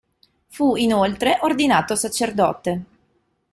Fu inoltre ordinato sacerdote.